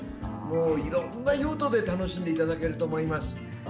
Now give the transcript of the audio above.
いろんな用途で楽しんでいただけると思います。